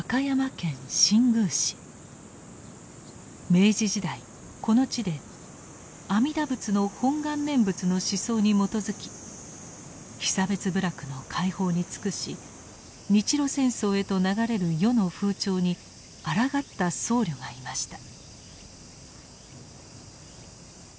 明治時代この地で阿弥陀仏の本願念仏の思想に基づき被差別部落の解放に尽くし日露戦争へと流れる世の風潮にあらがった僧侶がいました。